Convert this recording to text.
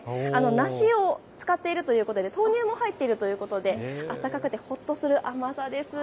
梨を使っているということで豆乳も入っているということで温かくてほっとする甘さです。